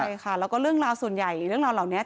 ใช่ค่ะแล้วก็เรื่องราวส่วนใหญ่เรื่องราวเหล่านี้